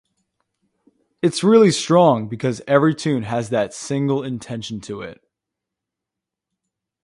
It’s really strong because every tune has that single intention to it.